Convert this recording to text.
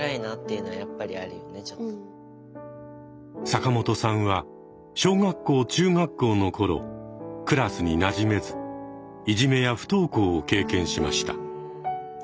坂本さんは小学校中学校の頃クラスになじめずいじめや不登校を経験しました。